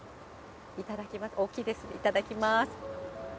いただきます。